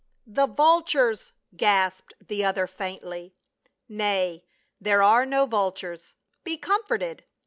•' The vultures !" gasped the other, faintly. " Nay, there are no vultures. Be comforted.